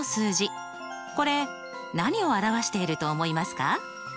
これ何を表していると思いますか？